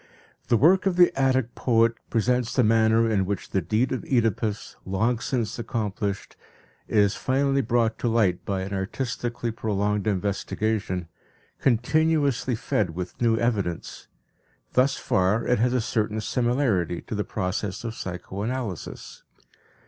The work of the Attic poet presents the manner in which the deed of Oedipus, long since accomplished, is finally brought to light by an artistically prolonged investigation, continuously fed with new evidence; thus far it has a certain similarity to the process of psychoanalysis.